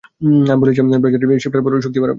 আমি বলেছিলাম, প্রেশারই শিপটার শক্তি বাড়াবে।